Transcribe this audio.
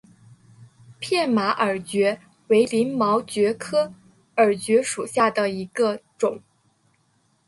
片马耳蕨为鳞毛蕨科耳蕨属下的一个种。